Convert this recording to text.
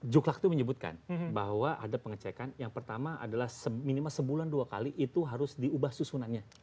juklak itu menyebutkan bahwa ada pengecekan yang pertama adalah minimal sebulan dua kali itu harus diubah susunannya